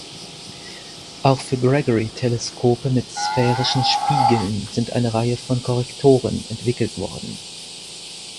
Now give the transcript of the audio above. Auch für Gregory-Teleskope mit sphärischen Spiegeln sind eine Reihe von Korrektoren entwickelt worden.